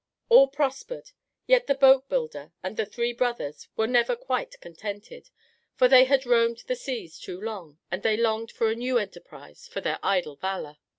All prospered; yet the boat builder and the three brothers were never quite contented, for they had roamed the seas too long; and they longed for a new enterprise for their idle valor.